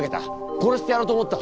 殺してやろうと思った？